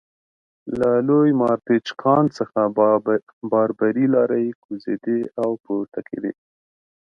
له لوی مارپیچ کان څخه باربري لارۍ کوزېدې او پورته کېدې